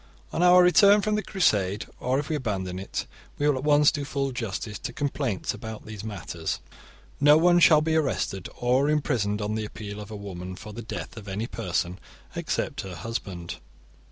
On our return from the Crusade, or if we abandon it, we will at once do full justice to complaints about these matters. * No one shall be arrested or imprisoned on the appeal of a woman for the death of any person except her husband.